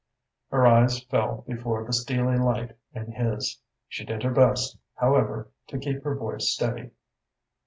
Her eyes fell before the steely light in his. She did her best, however, to keep her voice steady.